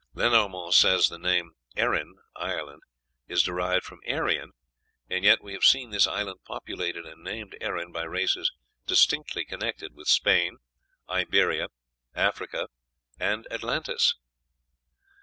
Lenormant says the name of Erin (Ireland) is derived from Aryan; and yet we have seen this island populated and named Erin by races distinctly connected with Spain, Iberia, Africa, and Atlantis.